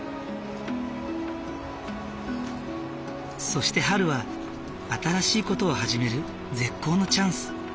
そして春は新しい事を始める絶好のチャンス。